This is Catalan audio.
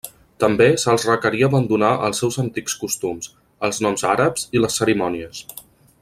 També se'ls requeria abandonar els seus antics costums, els noms àrabs i les cerimònies.